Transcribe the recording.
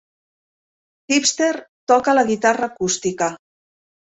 Hipster toca la guitarra acústica.